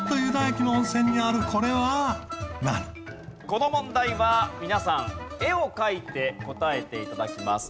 この問題は皆さん絵を描いて答えて頂きます。